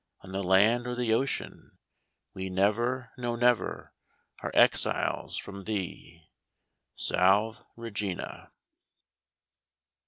On the land or the ocean. We never, no, never, Are exiles from thee. Salve, Regina.